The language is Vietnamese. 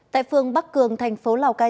tại phương bắc cường thành phố lào cai